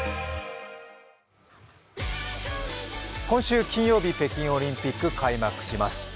今週金曜日、北京オリンピックが開幕します。